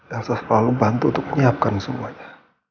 elsa selalu bantu untuk menyiapkan semuanya